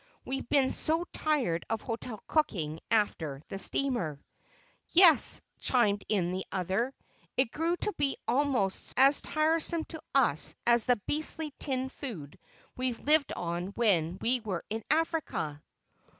We've been so tired of hotel cooking, after the steamer." "Yes," chimed in the other, "it grew to be almost as tiresome to us as the beastly tinned food we lived on when we were in Africa."